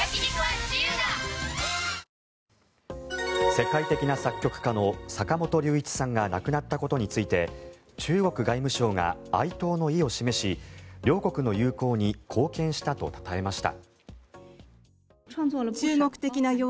世界的な作曲家の坂本龍一さんが亡くなったことについて中国外務省が哀悼の意を示し両国の友好に貢献したとたたえました。